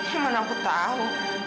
ya mana aku tahu